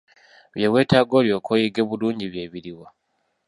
Bye weetaaga olyoke oyige bulungi bye biri wa?